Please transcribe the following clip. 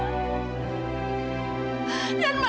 amirah itu selamat